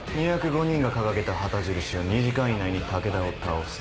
２０５人が掲げた旗印は「２時間以内に武田を倒す」。